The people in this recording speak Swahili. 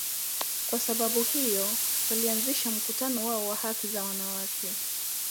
Kwa sababu hiyo, walianzisha mkutano wao wa haki za wanawake.